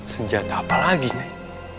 senjata apa lagi nyai